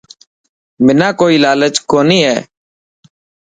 منا ڪوئي لالچ ڪوني هي.